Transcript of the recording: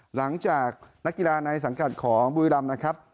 หลังจากนักกีฬาในสังกัดของบุรีรำนะครับ